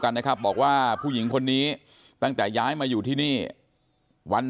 กันนะครับบอกว่าผู้หญิงคนนี้ตั้งแต่ย้ายมาอยู่ที่นี่วัน